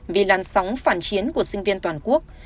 vì làn sóng phản chiến của sinh viên toàn quốc